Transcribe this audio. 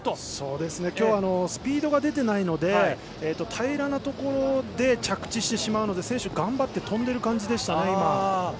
今日はスピードが出てないので平らなところで着地してしまうので選手は頑張って、とんでいる感じでしたね。